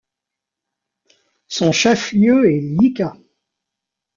Son chef-lieu est Llica.